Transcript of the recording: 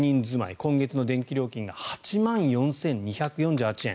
今月の電気料金が８万４２４８円。